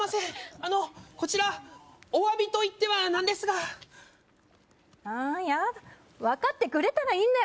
あのこちらお詫びといっては何ですがああいや分かってくれたらいいんだよ